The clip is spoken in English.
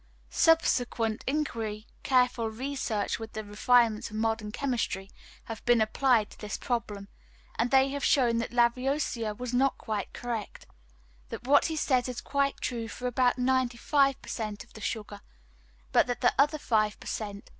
Subsequent inquiry, careful research with the refinements of modern chemistry, have been applied to this problem, and they have shown that Lavoisier was not quite correct; that what he says is quite true for about 95 per cent. of the sugar, but that the other 5 per cent.